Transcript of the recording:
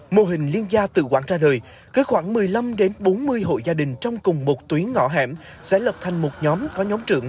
mô hình liên gia tự quản ra đời với khoảng một mươi năm bốn mươi hộ gia đình trong cùng một tuyến ngõ hẻm sẽ lập thành một nhóm có nhóm trưởng